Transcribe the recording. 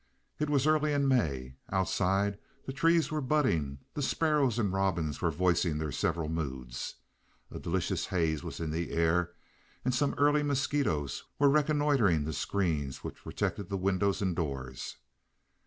It was early in May. Outside the trees were budding, the sparrows and robins were voicing their several moods. A delicious haze was in the air, and some early mosquitoes were reconnoitering the screens which protected the windows and doors.